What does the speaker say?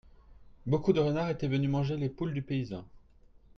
Beaucoup de renards étaient venus manger les poules du paysan.